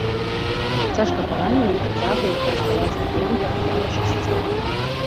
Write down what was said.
Цяжка паранены працягваў прыкрываць агнём пераправу часцей.